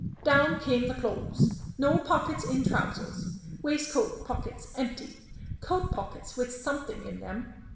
Down came the clothes. No pockets in trousers. Waistcoat pockets empty. Coat pockets with something in them.